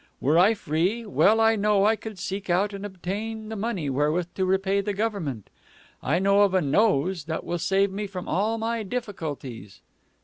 Were I free, well I know I could seek out and obtain the money wherewith to repay the government. I know of a nose that will save me from all my difficulties."